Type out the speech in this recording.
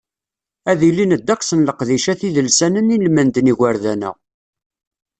Ad d-ilin ddeqs n leqdicat idelsanen i lmend n yigerdan-a.